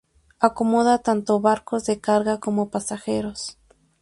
Acomoda tanto barcos de carga como pasajeros.